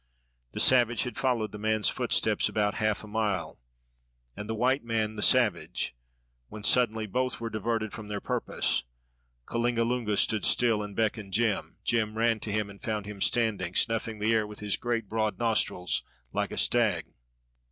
The savage had followed the man's footsteps about half a mile, and the white man the savage, when suddenly both were diverted from their purpose. Kalingalunga stood still and beckoned Jem. Jem ran to him, and found him standing snuffing the air with his great broad nostrils, like a stag.